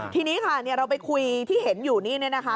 ทีนี้ค่ะเราไปคุยที่เห็นอยู่นี่เนี่ยนะคะ